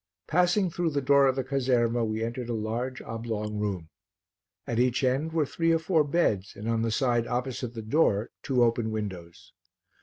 Passing through the door of the caserma we entered a large oblong room; at each end were three or four beds and on the side opposite the door two open windows.